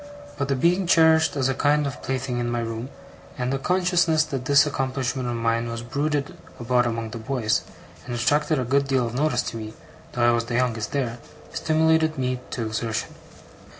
But the being cherished as a kind of plaything in my room, and the consciousness that this accomplishment of mine was bruited about among the boys, and attracted a good deal of notice to me though I was the youngest there, stimulated me to exertion.